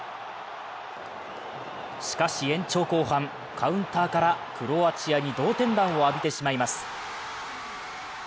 しかし延長後半、カウンターからクロアチアに同点弾を浴びてしまいます。